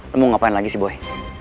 lu mau ngapain lagi sih boy